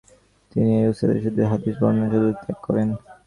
তিনি এই উস্তাদের সূত্রে হাদিস বর্ণনা সম্পূর্ণরূপে ত্যাগ করেন’’।